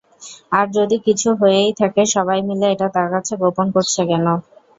আর যদি কিছু হয়েই থাকে, সবাই মিলে এটা তার কাছে গোপন করছে কেন?